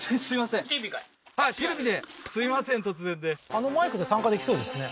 あのマイクで参加できそうですね